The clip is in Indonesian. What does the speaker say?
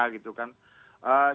mendengarkan seperti apa pandangan kita